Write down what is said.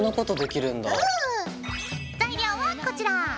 材料はこちら。